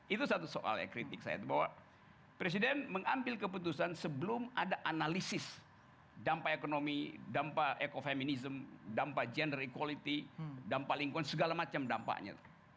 itu satu soal ya kritik saya itu bahwa presiden mengambil keputusan sebelum ada analisis dampa ekonomi dampa ecofeminism dampa gender equality dampa lingkungan segala macam dampanya